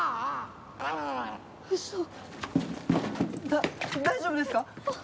だ大丈夫ですか！？